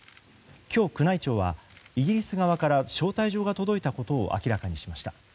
今日宮内庁はイギリス側から招待状が届いたことを明らかにしました。